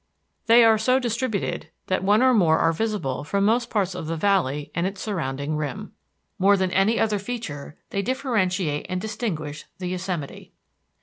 They are so distributed that one or more are visible from most parts of the Valley and its surrounding rim. More than any other feature, they differentiate and distinguish the Yosemite.